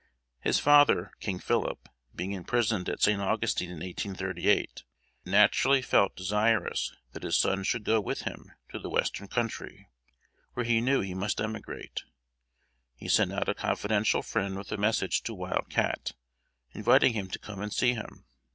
His father (King Philip) being imprisoned at St. Augustine in 1838, naturally felt desirous that his son should go with him to the Western Country, where he knew he must emigrate. He sent out a confidential friend with a message to Wild Cat, inviting him to come and see him.